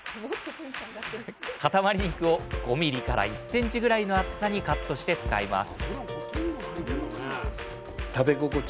塊肉を５ミリから１センチぐらいの厚さにカットして使います